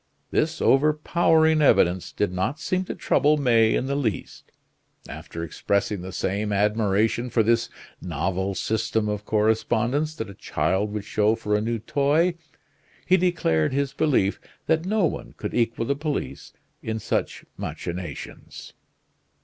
This overpowering evidence did not seem to trouble May in the least. After expressing the same admiration for this novel system of correspondence that a child would show for a new toy, he declared his belief that no one could equal the police in such machinations.